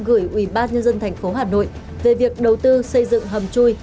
gửi ủy ban nhân dân thành phố hà nội về việc đầu tư xây dựng hầm chui